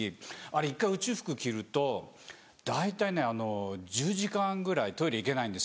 あれ１回宇宙服着ると大体ね１０時間ぐらいトイレ行けないんですよ。